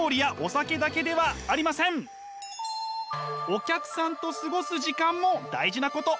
お客さんと過ごす時間も大事なこと。